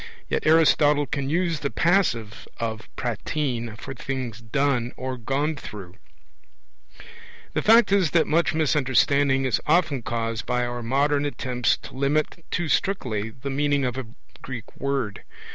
Yet Aristotle can use the passive of prattein for things 'done' or 'gone through' (e.g. 52a, 22, 29: 55a, 25). The fact is that much misunderstanding is often caused by our modern attempts to limit too strictly the meaning of a Greek word.